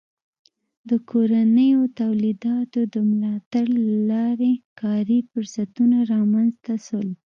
د کورنیو تولیداتو د ملاتړ له لارې کاري فرصتونه رامنځته سول.